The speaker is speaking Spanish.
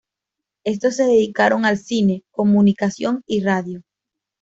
Estos se dedicaron al cine, comunicación y radio.